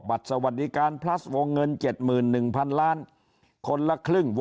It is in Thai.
สวัสดีการพลัสวงเงิน๗๑๐๐๐ล้านคนละครึ่ง